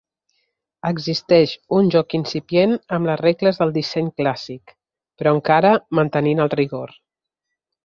Existeix un joc incipient amb les regles del disseny clàssic, però encara mantenint el rigor.